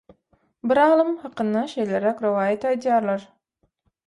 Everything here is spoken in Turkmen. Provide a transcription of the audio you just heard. Bir alym hakynda şeýleräk rowaýat aýdýarlar